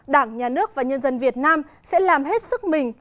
đảng nhà nước và nhân dân việt nam sẽ làm hết sức mình